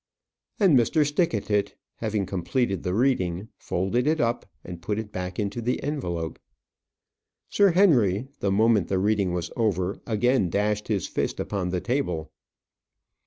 And Mr. Stickatit, having completed the reading, folded it up, and put it back into the envelope. Sir Henry, the moment the reading was over, again dashed his fist upon the table.